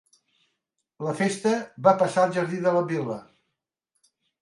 La festa va passar al jardí de la vil·la.